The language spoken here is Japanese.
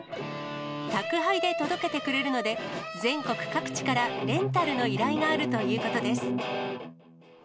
宅配で届けてくれるので、全国各地からレンタルの依頼があるということです。